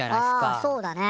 ああそうだね。